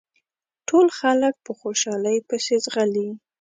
ټول خلک په خوشحالۍ پسې ځغلي.